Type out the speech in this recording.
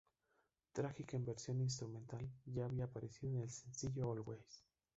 Tragic en versión instrumental, ya había aparecido en el sencillo Always.